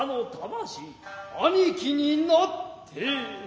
兄貴になって。